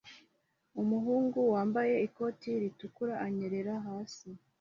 Umuhungu wambaye ikoti ritukura anyerera hasi